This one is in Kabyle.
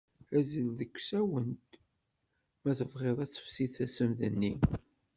Azzel deg tsawent, ma tebɣiḍ ad tefsi tassemt-nni.